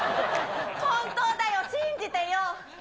本当だよ、信じてよ。